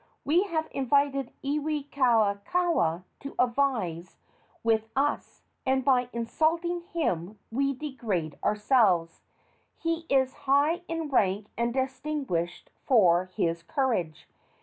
We have invited Iwikauikaua to advise with us, and by insulting him we degrade ourselves. He is high in rank and distinguished for his courage.